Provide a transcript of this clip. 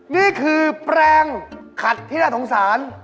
นี่คือแปรงขัดพิราธงศาล